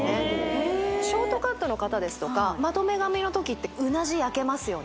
へえショートカットの方ですとかまとめ髪の時ってうなじ焼けますよね